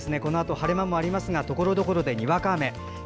晴れ間がありますがところどころでにわか雨があるでしょう。